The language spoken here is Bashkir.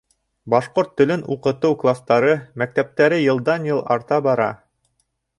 Башҡорт телен уҡытыу кластары, мәктәптәре йылдан-йыл арта бара.